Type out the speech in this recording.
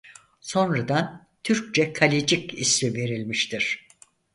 Sonradan Türkçe Kalecik ismi verilmiştir.